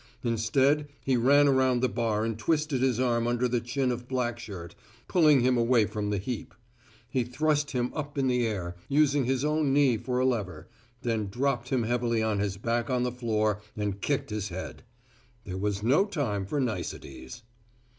Instead, he ran around the bar and twisted his arm under the chin of blackshirt, pulling him away from the heap. He thrust him up in the air, using his own knee for a lever, then dropped him heavily on his back on the floor and kicked his head. There was no time for niceties.